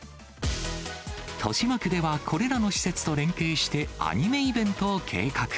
豊島区ではこれらの施設と連携して、アニメイベントを計画。